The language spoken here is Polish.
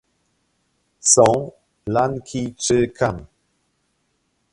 Są Lankijczykami